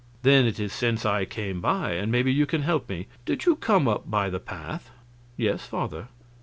"Then it is since I came by, and maybe you can help me. Did you come up by the path?" "Yes, Father."